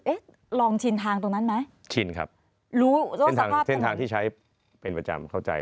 เอ๊ะลองชินทางตรงนั้นไหมชินครับรู้สภาพเส้นทางที่ใช้เป็นประจำเข้าใจ